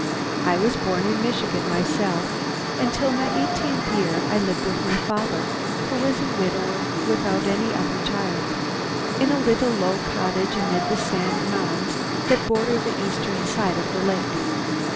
"I was born in Michigan myself, and till my eighteenth year I lived with my father, who was a widower without any other child, in a little low cottage amid the sand mounds that border the eastern side of the lake.